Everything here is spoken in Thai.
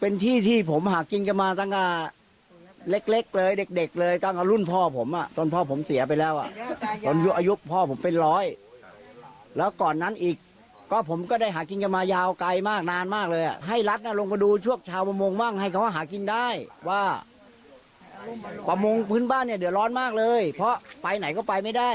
ประโมงพื้นบ้านเนี่ยเดี๋ยวร้อนมากเลยเพราะไปไหนก็ไปไม่ได้